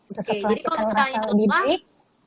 oke jadi kalau kita ngetahui untuk mbak